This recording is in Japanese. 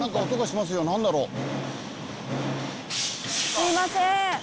すいません。